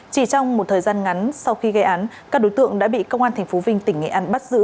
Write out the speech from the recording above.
chỉ trong một thời gian ngắn sau khi gây án các đối tượng đã bị công an tp vinh tỉnh nghệ an bắt giữ